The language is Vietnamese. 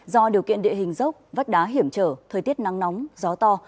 do điều kiện địa hình dốc vách đá hiểm trở thời tiết nắng nóng gió to